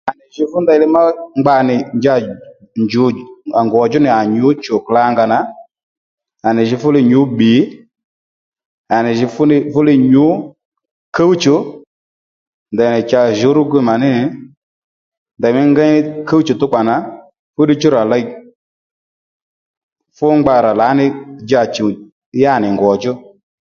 À nì jǐ fú ndèylí mà ngba nì djà njǔ à ngò djú nì à nyǔ chù kalanga nà à nì jǐ fú li nyǔ bbi à nì jǐ fúli fúli nyǔ kúwchù ndèynì cha jǔwrúgi mà ní nì ndèymí ngéy kúwchù tó kpà nà fúddiy chú rà ley fú ngba rà lǎní dja chùw yânì ngòdjú